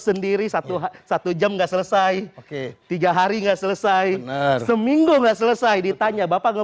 sendiri satu jv school alright oke tiga hari gak selesai seminggu dna selesai ditanya bapak gue